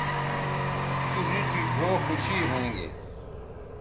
تو ریٹھی ڙھؤ خوشی ھویں گے